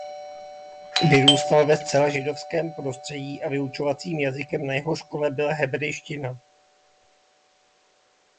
Vyrůstal ve zcela židovském prostředí a vyučovacím jazykem na jeho škole byla hebrejština.